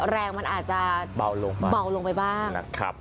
แรงมันอาจจะเบาลงไปบ้าง